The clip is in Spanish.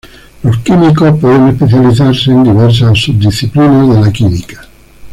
Los químicos pueden especializarse en diversas subdisciplinas de la química.